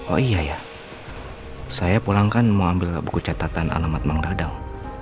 oh iya ya saya pulang kan mau ambil buku catatan alamat mang radang